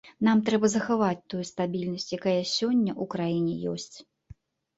Нам трэба захаваць тую стабільнасць, якая сёння ў краіне ёсць.